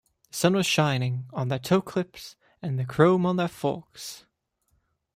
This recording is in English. The sun was shining on their toe-clips and the chrome on their forks.